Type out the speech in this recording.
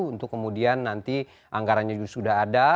untuk kemudian nanti anggarannya sudah ada